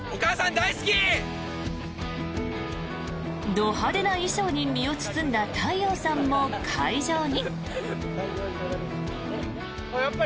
ど派手な衣装に身を包んだ太陽さんも会場に。